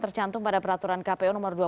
tercantum pada peraturan kpu nomor dua